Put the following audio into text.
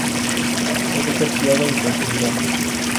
Puede ser criado en cautividad.